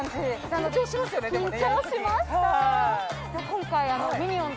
今回。